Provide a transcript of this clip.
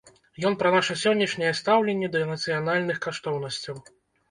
Ён пра наша сённяшняе стаўленне да нацыянальных каштоўнасцяў.